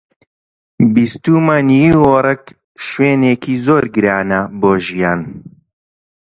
بیستوومە نیویۆرک شوێنێکی زۆر گرانە بۆ ژیان.